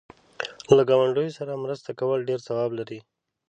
له گاونډیو سره مرسته کول ډېر ثواب لري.